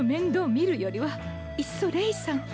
見るよりはいっそレイさんと